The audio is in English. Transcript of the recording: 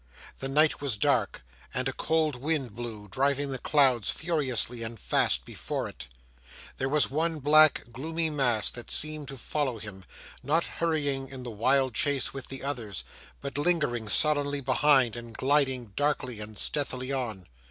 The night was dark, and a cold wind blew, driving the clouds, furiously and fast, before it. There was one black, gloomy mass that seemed to follow him: not hurrying in the wild chase with the others, but lingering sullenly behind, and gliding darkly and stealthily on.